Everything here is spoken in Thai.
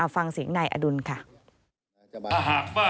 ฟังเสียงนายอดุลค่ะ